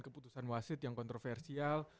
keputusan wasit yang kontroversial